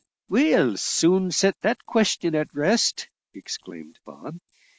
"We'll soon set that question at rest," exclaimed Bob.